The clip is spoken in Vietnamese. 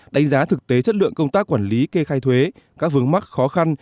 đánh giá thực tế chất lượng công tác quản lý kê khai thuế các vướng mắc khó khăn